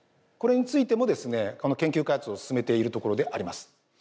これについてもですね研究開発を進めているところであります。